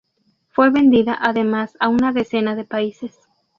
Fue vendida además a una decena de países.